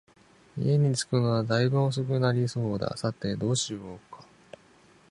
家に着くのは大分遅くなりそうだ、さて、どうしようか